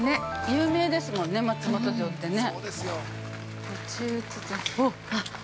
◆有名ですもんね、松本城ってね。